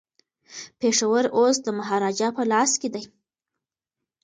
پېښور اوس د مهاراجا په لاس کي دی.